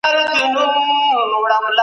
په غشي که ويشته کوې لېنده به يې وي شاته